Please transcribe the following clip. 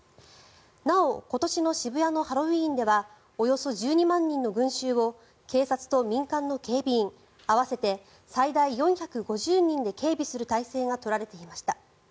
なお今年の渋谷のハロウィーンではおよそ１２万人の群衆を警察と民間の警備員合わせて、最大４５０人で警備する態勢が取られていました。